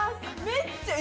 めっちゃ。